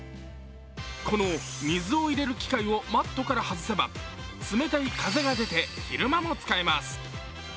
この水を入れる機械をマットから外せば冷たい風が出て昼間も使えます。